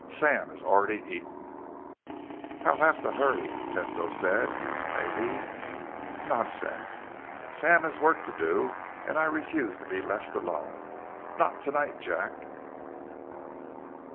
Sam has already eaten." "I'll have to hurry," Tesno said. "Maybe...." "Nonsense. Sam has work to do, and I refuse to be left alone. Not tonight, Jack."